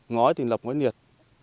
ngói thì lập ngói niệt